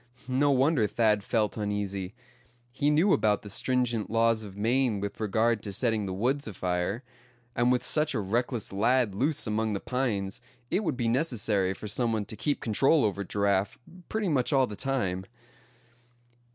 No wonder Thad felt uneasy. He knew about the stringent laws of Maine with regard to setting the woods afire; and with such a reckless lad loose among the pines it would be necessary for some one to keep control over Giraffe pretty much all the time.